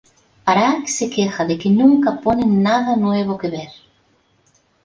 Arak se queja de que nunca ponen nada nuevo que ver.